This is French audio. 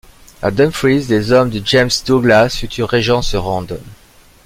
À Dumfries, des hommes de James Douglas, futur Régent, se rendent.